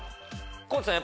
地さん